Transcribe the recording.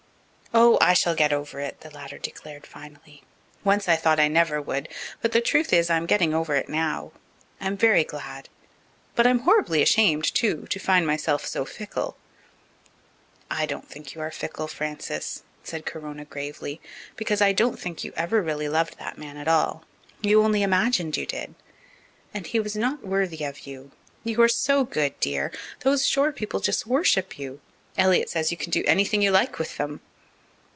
"Oh, I shall get over it," the latter declared finally. "Once I thought I never would but the truth is, I'm getting over it now. I'm very glad but I'm horribly ashamed, too, to find myself so fickle." "I don't think you are fickle, Frances," said Corona gravely, "because I don't think you ever really loved that man at all. You only imagined you did. And he was not worthy of you. You are so good, dear; those shore people just worship you. Elliott says you can do anything you like with them."